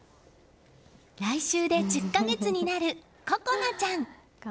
来週で１０か月になる心那ちゃん。